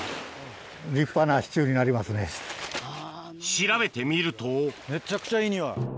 調べてみるとめちゃくちゃいい匂い。